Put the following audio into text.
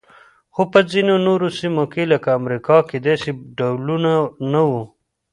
خو په ځینو نورو سیمو لکه امریکا کې داسې ډولونه نه وو.